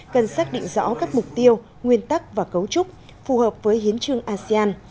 cần xác định rõ các mục tiêu nguyên tắc và cấu trúc phù hợp với hiến trương asean